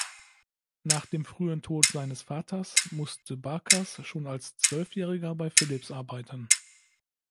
Nach dem frühen Tod seines Vaters musste Bakers schon als Zwölfjähriger bei Philips arbeiten.